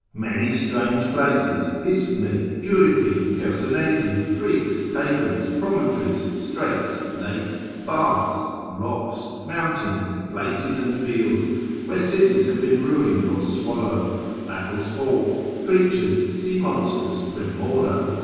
Many strange places, Isthmi, Euripi, Chersonesi, creeks, havens, promontories, straits, Lakes, baths, rocks, mountains, places, and fields, where cities have been ruined or swallowed, battles fought, creatures, sea monsters, remora, &c.